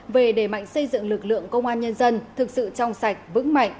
về đề mạnh xây dựng lực lượng công an nhân dân thực sự trong sạch vững mạnh